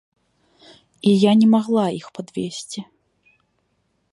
І я не магла іх падвесці.